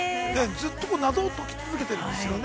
◆ずっとなぞを解き続けているんですよね。